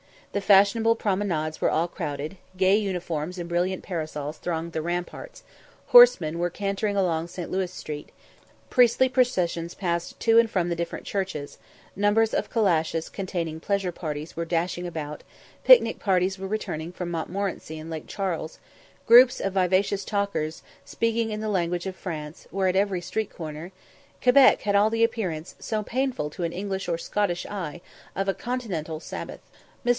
The fashionable promenades were all crowded; gay uniforms and brilliant parasols thronged the ramparts; horsemen were cantering along St. Louis Street; priestly processions passed to and from the different churches; numbers of calashes containing pleasure parties were dashing about; picnic parties were returning from Montmorenci and Lake Charles; groups of vivacious talkers, speaking in the language of France, were at every street corner; Quebec had all the appearance, so painful to an English or Scottish eye, of a Continental sabbath. Mr.